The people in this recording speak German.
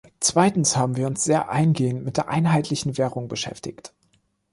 Zweitens haben wir uns sehr eingehend mit der einheitlichen Währung beschäftigt.